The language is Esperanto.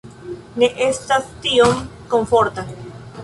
Ne estas tiom komforta